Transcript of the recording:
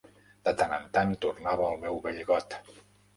De tant en tant tornava al meu vell got.